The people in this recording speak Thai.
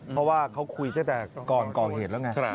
เพราะว่าเขาคุยตั้งแต่ก่อนก่อเหตุแล้วไง